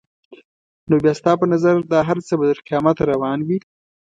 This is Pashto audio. نو بیا ستا په نظر دا هر څه به تر قیامته روان وي؟